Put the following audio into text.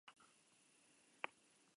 Bordura de azur.